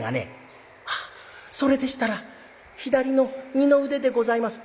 「それでしたら左の二の腕でございます」。